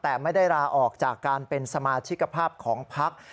แต่ไม่ได้ลาออกจากการเป็นสมาชิกภาพของพัก